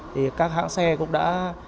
thì các hãng xe cũng đã